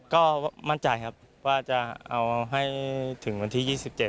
ก็มั่นใจครับว่าจะเอาให้ถึงวันที่๒๗